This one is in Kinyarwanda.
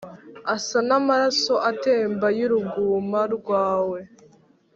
asa n’amaraso atemba y’uruguma rwawe